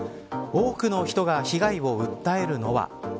多くの人が被害を訴えるのは。